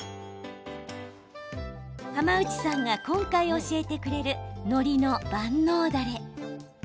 浜内さんが今回教えてくれるのりの万能ダレ。